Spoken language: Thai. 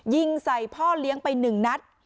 ยิงใส่พ่อเลี้ยงไป๑นัด